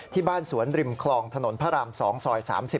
ที่บ้านสวนริมคลองถนนพระราม๒ซอย๓๐